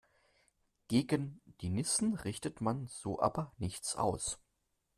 Gegen die Nissen richtet man so aber nichts aus.